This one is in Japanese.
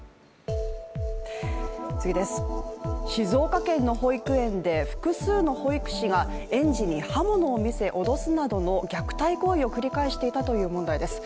次です、静岡県の保育園で複数の保育士が園児に刃物を見せ、脅すなどの虐待行為を繰り返していたという問題です。